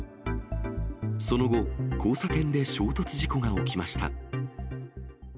その後、交差点で衝突事故が起きました。